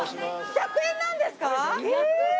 １００円なんですか？